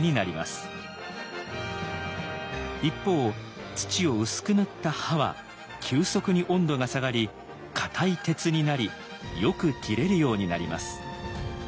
一方土を薄く塗った刃は急速に温度が下がり硬い鉄になりよく切れるようになります。